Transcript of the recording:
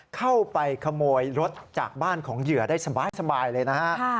เข้าไปขโมยรถจากบ้านของเหยื่อได้สบายเลยนะฮะ